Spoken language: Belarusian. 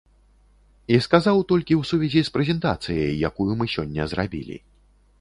І сказаў толькі ў сувязі з прэзентацыяй, якую мы сёння зрабілі.